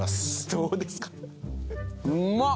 どうですか？